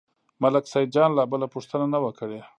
ملک سیدجان لا بله پوښتنه نه وه کړې.